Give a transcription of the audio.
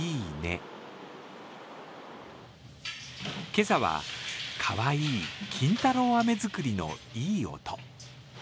今朝は、かわいい金太郎飴作りのいい音。